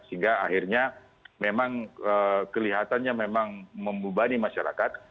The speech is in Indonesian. sehingga akhirnya memang kelihatannya memang membebani masyarakat